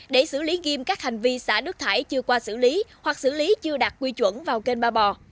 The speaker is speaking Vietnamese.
để xử lý nghiêm các hành vi xả nước thải chưa qua xử lý hoặc xử lý chưa đạt quy chuẩn vào kênh ba bò